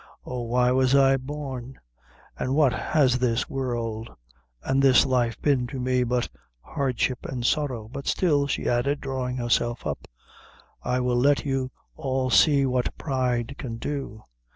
Oh, why was I born! an' what has this world an' this life been to me but hardship an' sorrow? But still," she added, drawing herself up, "I will let you all see what pride can do.